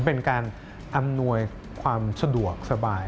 เป็นการอำนวยความสะดวกสบาย